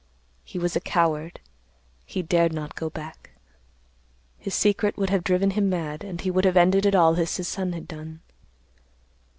He was a coward; he dared not go back. His secret would have driven him mad, and he would have ended it all as his son had done.